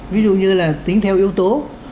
ví dụ như là tính theo yếu tố